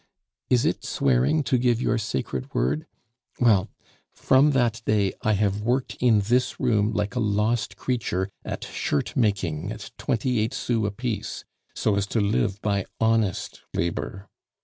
"Is it swearing to give your sacred word? Well, from that day I have worked in this room like a lost creature at shirt making at twenty eight sous apiece, so as to live by honest labor.